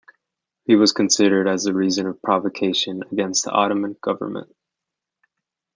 He was considered as the reason of provocation against the Ottoman government.